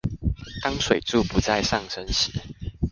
當水柱不再上升時